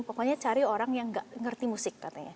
pokoknya cari orang yang gak ngerti musik katanya